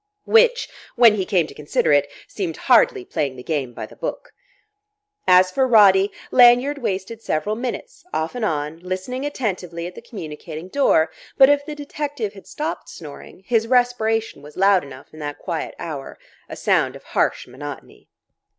Which, when he came to consider it, seemed hardly playing the game by the book. As for Roddy, Lanyard wasted several minutes, off and on, listening attentively at the communicating door; but if the detective had stopped snoring, his respiration was loud enough in that quiet hour, a sound of harsh monotony.